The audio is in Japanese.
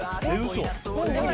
嘘。